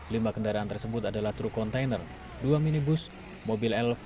lima kendaraan tersebut adalah truk kontainer dua minibus mobil elvan